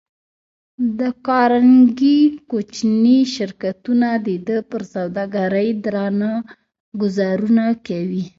د کارنګي کوچني شرکتونه د ده پر سوداګرۍ درانه ګوزارونه کوي.